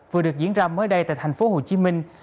vừa được diễn ra mới đây tại thành phố hồ chí minh